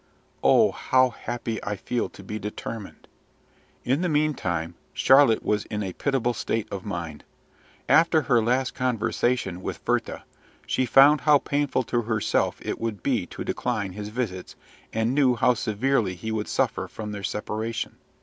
Oh, how happy I feel to be determined!" In the meantime, Charlotte was in a pitiable state of mind. After her last conversation with Werther, she found how painful to herself it would be to decline his visits, and knew how severely he would suffer from their separation.